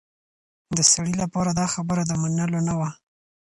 د سړي لپاره دا خبره د منلو نه وه.